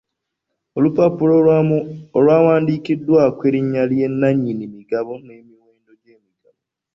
Olupapula oluwandiikiddwako erinnya lya nannyini migabo n'omuwendo gw'emigabo.